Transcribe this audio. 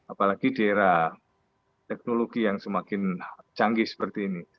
apalagi di era teknologi yang semakin canggih seperti ini